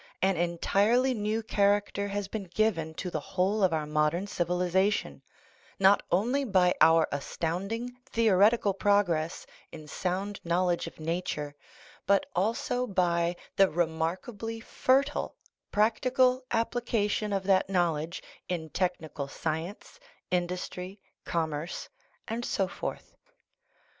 An entirely new character has been given to the whole of our modern civilization, not only by our astounding theoretical progress in sound knowledge of nature, but also by the remarkably fertile THE RIDDLE OF THE UNIVERSE practical application of that knowledge in technical science, industry, commerce, and so forth.